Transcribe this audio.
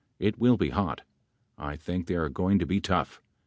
It will be hot. I think they are going to be tough.